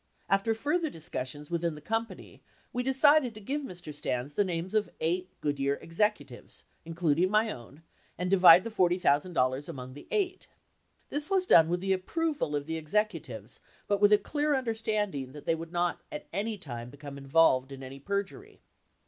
After further discussions within the company, we decided to give Mr. Stans the names of eight Goodyear executives, including my own, and divide the $40,000 among the eight. This was done with the approval of the executives but with a clear understanding that they would not at any time become involved in any perjury.